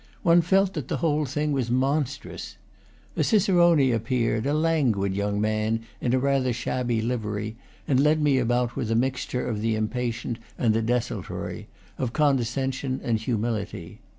One felt that the whole thing was monstrous. A cicerone appeared, a languid young man in a rather shabby livery, and led me about with a mixture of the impatient and the desultory, of con descension and humility.